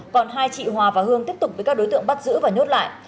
còn hai chị hòa và hương tiếp tục bị các đối tượng bắt giữ và nhốt lại